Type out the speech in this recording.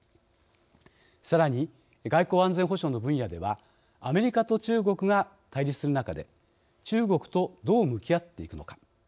さらに外交・安全保障の分野ではアメリカと中国が対立する中で中国とどう向き合っていくのか。